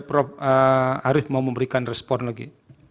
prof arief mau memberikan respon lagi